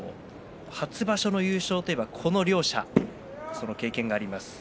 初場所の優勝といえばこの両者経験があります。